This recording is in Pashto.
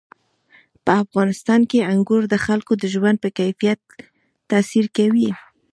په افغانستان کې انګور د خلکو د ژوند په کیفیت تاثیر کوي.